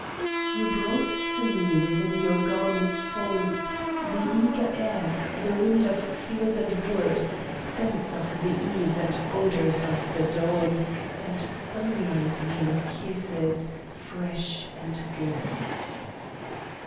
You brought to me within your garments' folds The eager air, the wind of field and wood, Scents of the eve and odours of the dawn, And sunlight in your kisses fresh and good.